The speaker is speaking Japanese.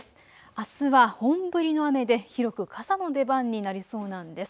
あすは本降りの雨で広く傘の出番になりそうなんです。